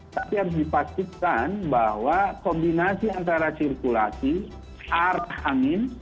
tapi harus dipastikan bahwa kombinasi antara sirkulasi arah angin